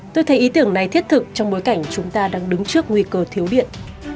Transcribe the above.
tôi thấy ý tưởng này thiết thực trong bối cảnh chúng ta đang đứng trước nguy cơ thiếu điện